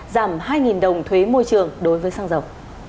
giảm hai đồng thuế môi trường đối với xăng dầu